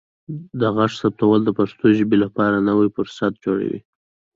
د غږ ثبتول د پښتو ژبې لپاره نوي فرصتونه جوړوي.